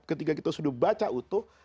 ketika kita sudah baca utuh